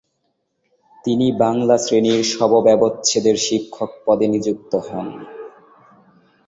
তিনি বাংলা শ্রেণীর শবব্যবচ্ছেদের শিক্ষক পদে নিযুক্ত হন।